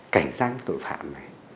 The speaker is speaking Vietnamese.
cảnh giác tội phạm này